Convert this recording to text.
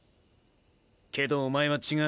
けどおまえは違う。